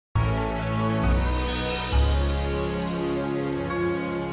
baik bisa deh kan